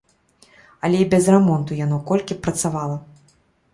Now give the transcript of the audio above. Але і без рамонту яно колькі б працавала.